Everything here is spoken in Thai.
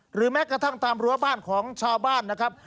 หรือแม้กระทั่งตามรั้วบ้านของชาวบ้านนะครับ